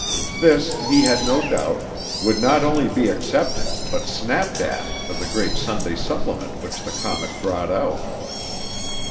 This, he had no doubt, would not only be accepted but snapped at, for the great Sunday supplement which the Comet brought out.